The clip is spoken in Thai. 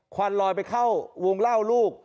ควันลอยไปเข้าวงเล่าลูก